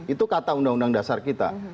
itu kata undang undang dasar kita